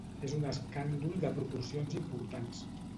És un escàndol de proporcions importants.